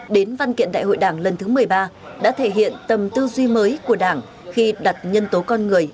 đến văn kiện đại hội đảng lần thứ một mươi ba đã thể hiện tầm tư duy mới của đảng khi đặt nhân tố con người